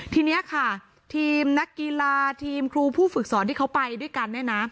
ทีนี้ค่ะทีมนักกีฬาทีมครูผู้ฝึกสอนที่เขาไปด้วยกันเนี่ยนะ